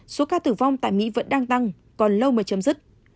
số ca tử vong tại mỹ vẫn đang tăng còn lâu mới chấm dứt